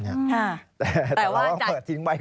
แต่ว่าเปิดทิ้งไว้ก่อน